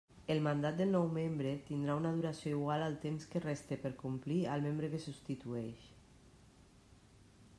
El mandat del nou membre tindrà una duració igual al temps que reste per complir al membre que substitueix.